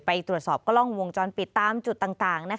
ไปตรวจสอบกล้องวงจรปิดตามจุดต่าง